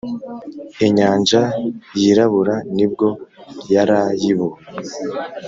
inyanja yirabura nibwo yarayibonye